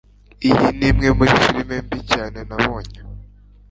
Iyi ni imwe muri firime mbi cyane nabonye